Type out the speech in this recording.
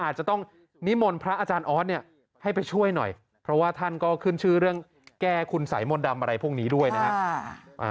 ให้ไปช่วยหน่อยเพราะว่าท่านก็ขึ้นชื่อเรื่องแก้คุณสายมนต์ดำอะไรพวกนี้ด้วยนะฮะ